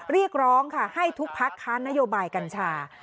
เรียกร้องค่ะให้ทุกพักค้านนโยบายกัญชา